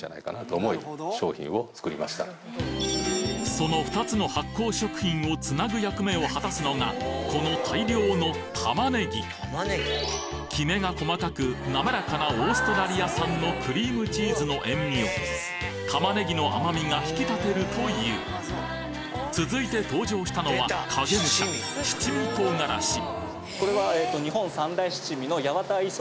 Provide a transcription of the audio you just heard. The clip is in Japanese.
その２つの発酵食品をつなぐ役目を果たすのがこの大量の玉ねぎキメが細かくなめらかなオーストラリア産のクリームチーズの塩味を玉ねぎの甘みが引き立てるという続いて登場したのは影武者七味唐辛子これは。